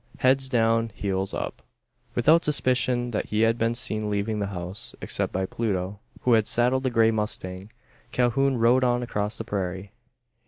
HEADS DOWN HEELS UP! Without suspicion that he had been seen leaving the house except by Pluto, who had saddled the grey mustang Calhoun rode on across the prairie.